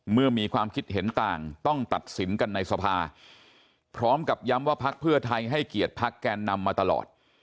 มีความคิดเห็นต่างต้องตัดสินกันในสภาพร้อมกับย้ำว่าพักเพื่อไทยให้เกียรติพักแกนนำมาตลอด